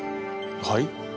はい？